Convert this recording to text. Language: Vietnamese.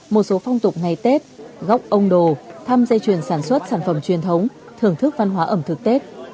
một số phong tục ngày tết góc ông đồ thăm dây chuyển sản xuất sản phẩm truyền thống thưởng thức văn hóa ẩm thực tết